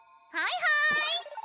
はいはい